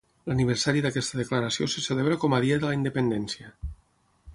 L'aniversari d'aquesta declaració se celebra com a Dia de la Independència.